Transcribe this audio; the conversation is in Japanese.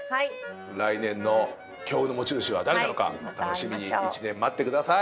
来年の強運の持ち主は誰なのか楽しみに１年待ってください。